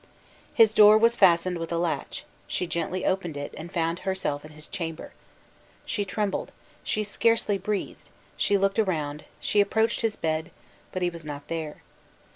His door was fastened with a latch; she gently opened it, and found herself in his chamber. She trembled she scarcely breathed; she looked around; she approached his bed but he was not there.